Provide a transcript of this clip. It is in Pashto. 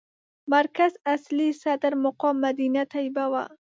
مرکز اصلي صدر مقام مدینه طیبه وه.